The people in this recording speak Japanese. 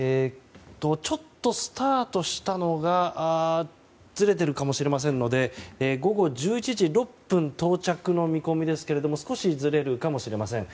ちょっと、スタートしたのがずれているかもしれませんので午後１１時６分到着の見込みですけれども少しずれるかもしれません。